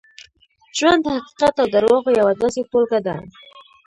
ژوند د حقیقت او درواغو یوه داسې ټولګه ده.